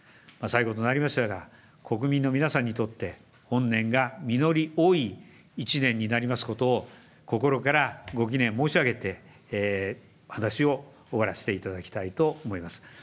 最後となりましたが、国民の皆さんにとって、本年が実り多い一年になりますことを、心からご祈念申し上げて、話を終わらせていただきたいと思います。